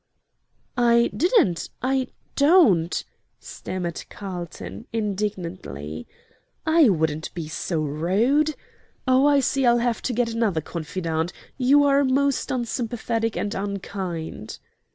"I didn't I don't!" stammered Carlton, indignantly. "I wouldn't be so rude. Oh, I see I'll have to get another confidante; you are most unsympathetic and unkind."